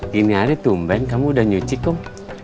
gini aja tumben kamu udah nyuci kum